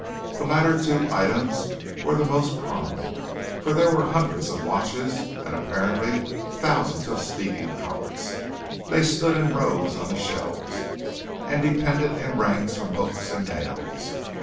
The latter two items were the most prominent, for there were hundreds of watches, and apparently thousands of speaking trumpets. They stood in rows on the shelves, and depended in ranks from hooks and nails.